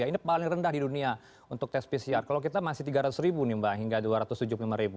ini paling rendah di dunia untuk tes pcr kalau kita masih tiga ratus ribu nih mbak hingga dua ratus tujuh puluh lima ribu